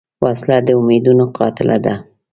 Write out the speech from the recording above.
وسله د امیدونو قاتله ده